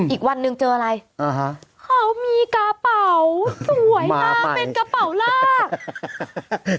อีกวันหนึ่งเจออะไรเขามีกระเป๋าสวยมาเป็นกระเป๋าลาก